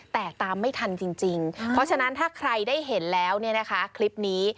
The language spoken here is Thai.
แต่ตามไม่ทันจริงเพราะฉะนั้นถ้าใครได้เห็นแล้วเนี่ยนะคะคลิปนี้